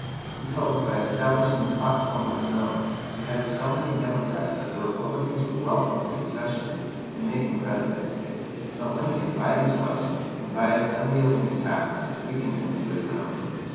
He hoped, by establishing a "platform" of his own, to head so many Democrats that the Republicans would welcome his accession, and make him President. But Lincoln, by these questions, and by his unyielding attacks, weakened him to his ruin.